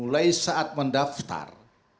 dari saat mendaftar